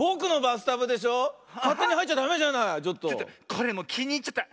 これもうきにいっちゃった。